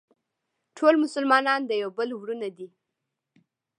ټول مسلمانان د یو بل وروڼه دي.